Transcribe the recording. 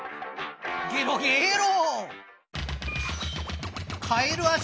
ゲロゲロ！